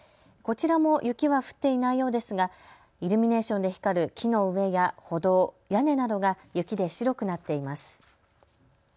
こちらも雪は降っていないようですがイルミネーションで光る木の上や歩道、屋根などが雪で白くなっています。